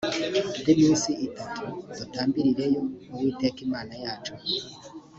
rw iminsi itatu dutambirireyo uwiteka imana yacu